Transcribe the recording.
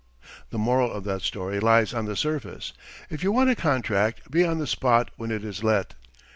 The moral of that story lies on the surface. If you want a contract, be on the spot when it is let.